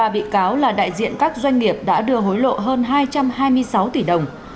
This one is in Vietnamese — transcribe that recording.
ba bị cáo là đại diện các doanh nghiệp đã đưa hối lộ hơn hai trăm hai mươi sáu tỷ đồng